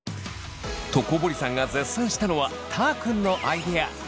と小堀さんが絶賛したのはたーくんのアイデア。